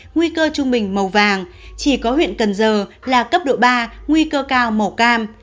nguy cơ trung bình màu vàng chỉ có huyện cần giờ là cấp độ ba nguy cơ cao màu cam